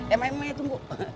eh main main ya tunggu